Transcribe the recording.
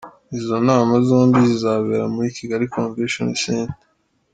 Izo nama zombi zizabera muri Kigali Convention Center.